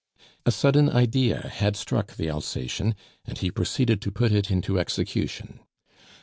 A sudden idea had struck the Alsacien, and he proceeded to put it into execution.